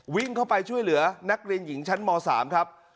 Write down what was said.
วิ่งเข้าไปช่วยเหลือนักเรียนหญิงชั้นม๓ครับ